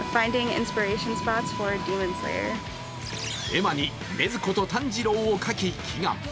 絵馬に禰豆子と炭治郎を描き、祈願。